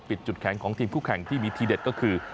จุดแข็งของทีมคู่แข่งที่มีทีเด็ดก็คือ